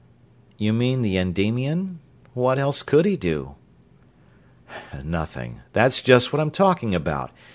"You mean the Endymion? What else could he do?" "Nothing that's just what I'm talking about.